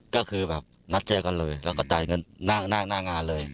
ก็คือแบบนัดเจอกันเลยแล้วก็จ่ายเงินหน้างานเลย